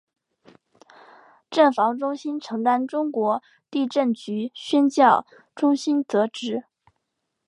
震防中心承担中国地震局宣教中心职责。